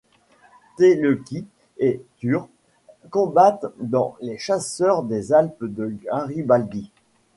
Teleki et Türr combattent dans les chasseurs des Alpes de Garibaldi.